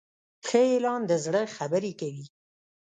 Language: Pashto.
ښه اعلان د زړه خبرې کوي.